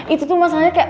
itu tuh masalahnya kayak